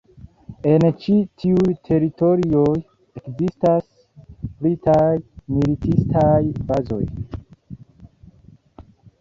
En ĉi tiuj teritorioj ekzistas britaj militistaj bazoj.